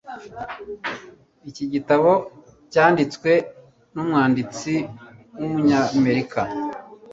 Iki gitabo cyanditswe numwanditsi wumunyamerika.